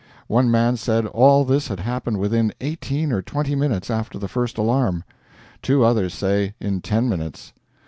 One man said all this had happened within eighteen or twenty minutes after the first alarm—two others say in ten minutes.